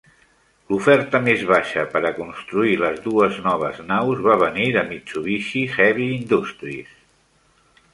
L'oferta més baixa per a construir les dues noves naus va venir de Mitsubishi Heavy Industries.